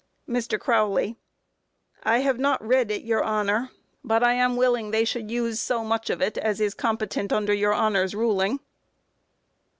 MR. CROWLEY: I have not read it, your Honor, but I am willing they should use so much of it as is competent under your Honor's ruling.